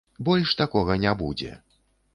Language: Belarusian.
Больш такога не будзе.